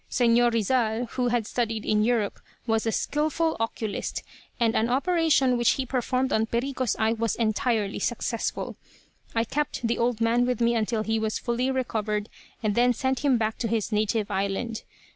Señor Rizal, who had studied in Europe, was a skillful oculist, and an operation which he performed on Perico's eye was entirely successful. I kept the old man with me until he was fully recovered, and then sent him back to his native island.